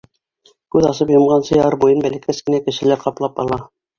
Күҙ асып йомғансы яр буйын бәләкәс кенә кешеләр ҡаплап ала.